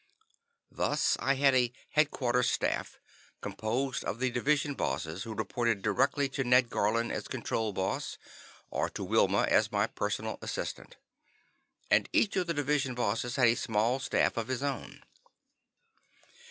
Thus I had a "Headquarters Staff" composed of the Division Bosses who reported directly to Ned Garlin as Control Boss, or to Wilma as my personal assistant. And each of the Division Bosses had a small staff of his own.